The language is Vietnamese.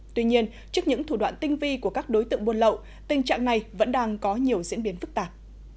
tuy nhiên trước những thủ đoạn tinh vi của các đối tượng buôn lậu tình trạng này vẫn đang có nhiều diễn biến phức tạp